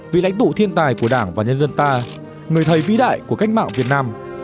vị lãnh tụ thiên tài của đảng và nhân dân ta người thầy vĩ đại của cách mạng việt nam